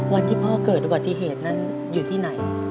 วันที่พ่อเกิดอุบัติเหตุนั้นอยู่ที่ไหน